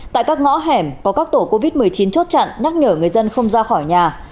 tại các ngõ hẻm có các tổ covid một mươi chín chốt chặn nhắc nhở người dân không ra khỏi nhà